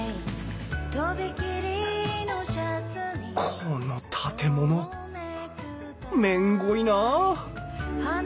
この建物めんごいなあ